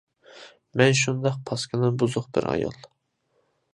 مەن شۇنداق پاسكىنا، بۇزۇق بىر ئايال.